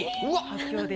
発表で。